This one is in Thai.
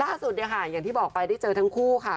ล่าสุดเนี่ยค่ะอย่างที่บอกไปได้เจอทั้งคู่ค่ะ